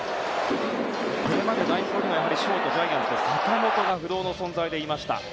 これまで代表にはショートジャイアンツの坂本が不動の存在でいました。